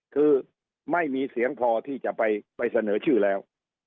คือไม่มีเสียงพอที่จะไปเสนอชื่อแล้ว